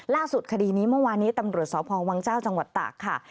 คดีนี้เมื่อวานี้ตำรวจสพวังเจ้าจังหวัดตากค่ะ